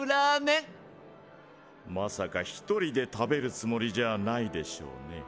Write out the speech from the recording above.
まさか一人で食べるつもりじゃないでしょうね。